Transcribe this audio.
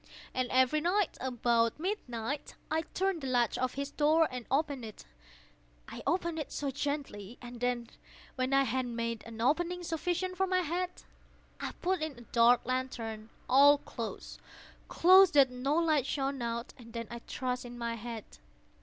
And every night, about midnight, I turned the latch of his door and opened it—oh, so gently! And then, when I had made an opening sufficient for my head, I put in a dark lantern, all closed, closed, that no light shone out, and then I thrust in my head.